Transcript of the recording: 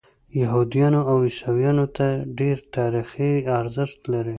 یهودیانو او عیسویانو ته ډېر تاریخي ارزښت لري.